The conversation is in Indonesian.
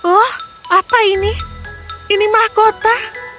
oh apa ini ini mahkota